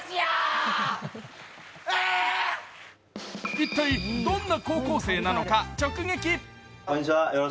一体、どんな高校生なのか直撃。